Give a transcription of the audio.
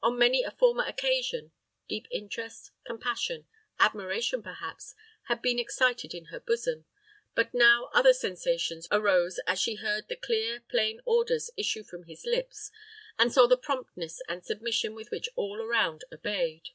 On many a former occasion, deep interest, compassion, admiration perhaps, had been excited in her bosom; but now other sensations arose as she heard the clear, plain orders issue from his lips, and saw the promptness and submission with which all around obeyed.